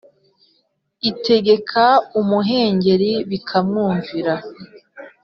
Itegeka umuhengeri biramwumvira